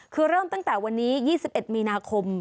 คือเริ่มตั้งแต่วันนี้๒๑มีนาคม